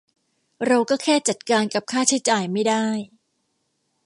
เราก็แค่จัดการกับค่าใช้จ่ายไม่ได้